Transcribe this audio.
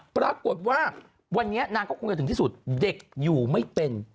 ปรากฏว่าวันนี้นางก็คงจะถึงที่สุดเด็กอยู่ไม่เป็น